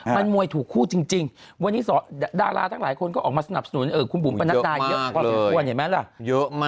มันมวยถูกคู่จริงวันนี้ดาราทั้งหลายคนก็ออกมาสนับสนุนคุณบุ๋มเป็นนักรายเยอะมากเลยเยอะมาก